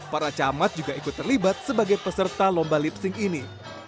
para camat juga ikut terlibat sebagai peserta lomba lipsing ini